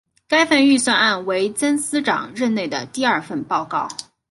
该份预算案为曾司长任内的第二份报告。